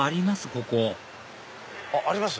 ここあります？